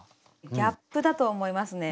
ギャップだと思いますね。